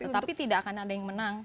tetapi tidak akan ada yang menang